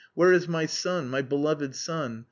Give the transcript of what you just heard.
Where is my son, my beloved son?